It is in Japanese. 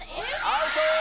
アウトー！